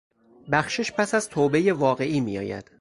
بخشش پس از توبهی واقعی میآید.